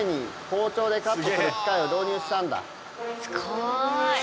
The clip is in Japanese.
すごい。